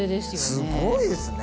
すごいですね！